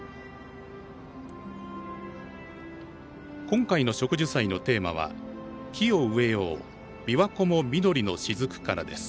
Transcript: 今回の植樹祭のテーマは「木を植えようびわ湖も緑のしずくから」です。